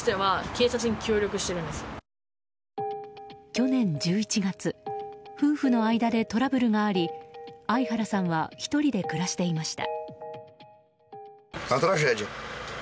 去年１１月夫婦の間でトラブルがありアイハラさんは１人で暮らしていました。